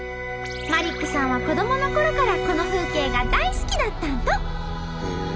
マリックさんは子どものころからこの風景が大好きだったんと。